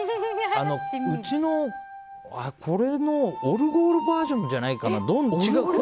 うち、これのオルゴールバージョンじゃないかな。